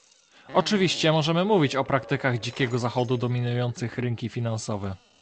Oczywiście możemy mówić o praktykach dzikiego zachodu dominujących rynki finansowe